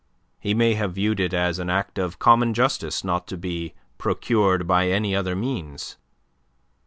He may have viewed it as an act of common justice not to be procured by any other means.